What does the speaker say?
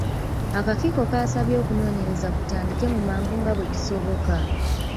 Akakiiko kaasabye okunoonyereza kutandike mu mangu nga bwe kisoboka.